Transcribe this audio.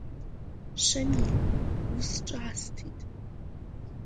Шамиль, ус ҿаасҭит…